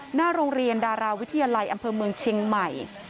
หน้าโรงเรียนดาราวิทยาลัยอำเภอเมืองเชียงใหม่